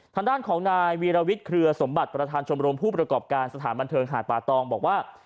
ทางด้านของนายวีรวิทย์เครือสมบัติประธานชมรมผู้ประกอบการสถานบันเทิงหาดป่าตองบอกว่า